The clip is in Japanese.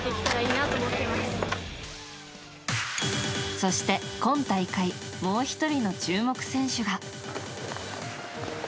そして、今大会もう１人の注目選手が。